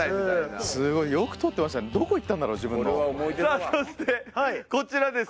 さあそしてこちらですよ。